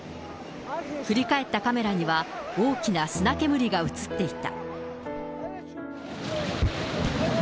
振り返ったカメラには、大きな砂煙が写っていた。